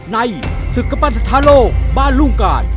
ในสุขปั้นสถานโลกบ้านรุ่งกาล